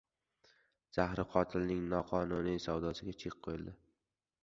“Zahri qotil”ning noqonuniy savdosiga chek qo‘yildi